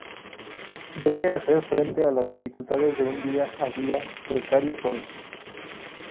Debe hacer frente a las dificultades de un día a día precario, sola.